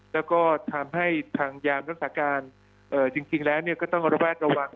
แล้วก็ทำให้ทางยามรัฐการณ์จริงแล้วเนี่ยก็ต้องระวัดระวัง